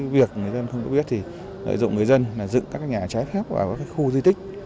việc người dân không biết thì lợi dụng người dân dựng các nhà cháy phép vào khu di tích